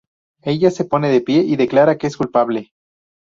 Ella se pone de pie y declara que es culpable.